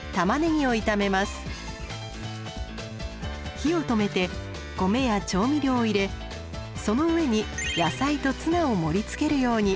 火を止めて米や調味料を入れその上に野菜とツナを盛りつけるように。